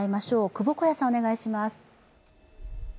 窪小谷さんお願いします。